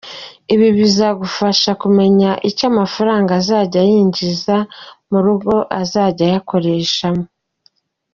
Ibi bizagufasha kumenya icyo amafaranga azajya yinjira mu rugo azajya akoreshwamo.